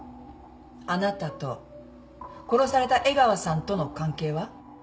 あなたと殺された江川さんとの関係は？」